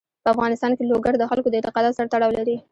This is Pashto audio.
په افغانستان کې لوگر د خلکو د اعتقاداتو سره تړاو لري.